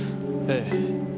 ええ。